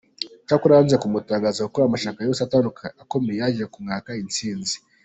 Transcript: Icyakora yanze kumutangaza kuko amashyaka yose akomeye yaje kumwaka insinzi.